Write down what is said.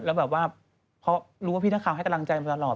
แล้วแบบว่าเพราะรู้ว่าพี่นักข่าวให้กำลังใจมาตลอด